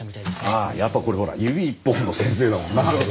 ああやっぱこれほら指一本の先生だもんな。